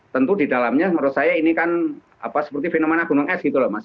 tentu di dalamnya menurut saya ini kan seperti fenomena gunung es gitu loh mas